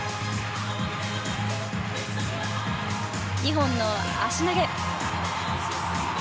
２本の足投げ。